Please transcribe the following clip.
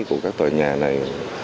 của các tòa nhà này